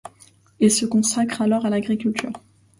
Il se consacre alors à l'agriculture.